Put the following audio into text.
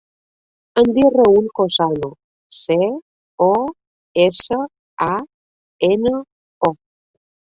Em dic Raül Cosano: ce, o, essa, a, ena, o.